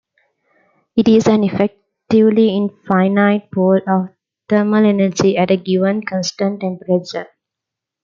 It is an effectively infinite pool of thermal energy at a given, constant temperature.